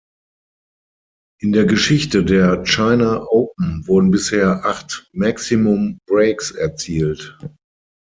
In der Geschichte der China Open wurden bisher acht Maximum Breaks erzielt.